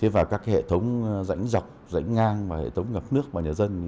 và các hệ thống rãnh dọc rãnh ngang và hệ thống ngập nước vào nhà dân